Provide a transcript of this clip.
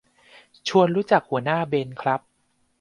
ชวนรู้จักหัวหน้าเบนครับ